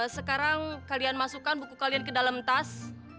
sekarang kalian masukkan buku kalian ke dalam tas